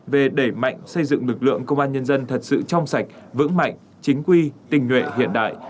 về đẩy mạnh xây dựng lực lượng công an nhân dân thật sự trong sạch vững mạnh chính quy tình nguyện hiện đại